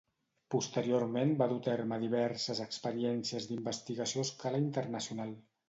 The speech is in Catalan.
Posteriorment, va dur a terme diverses experiències d'investigació a escala internacional.